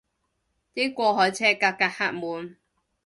啲過海車架架客滿